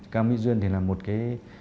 cao mỹ duyên thì là một cái